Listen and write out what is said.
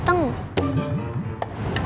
dia ngajak aku kenalan